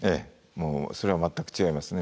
もうそれは全く違いますね。